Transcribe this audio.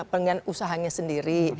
pengen usahanya sendiri